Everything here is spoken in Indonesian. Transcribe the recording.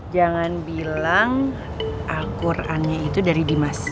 jangan bilang al qurannya itu dari dimas